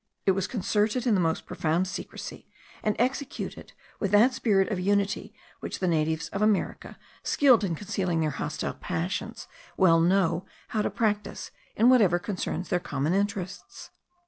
It was concerted in the most profound secrecy, and executed with that spirit of unity which the natives of America, skilled in concealing their hostile passions, well know how to practise in whatever concerns their common interests.